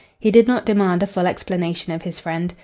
He did not demand a full explanation of his friend.